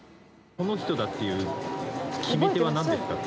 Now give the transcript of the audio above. この人だ！っていう決め手は何ですか？